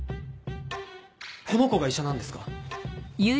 この子が医者なんですか？